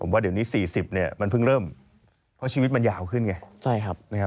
ผมว่าเดี๋ยวนี้๔๐ผึ้งเริ่มเพราะชีวิตมันยาวขึ้นไง